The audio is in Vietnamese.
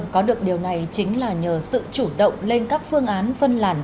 có được điều này chính là nhờ sự chủ động lên các phương án phân làn